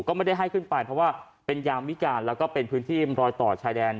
ก็ไม่ได้ให้ขึ้นไปเพราะว่าเป็นยามวิการแล้วก็เป็นพื้นที่รอยต่อชายแดน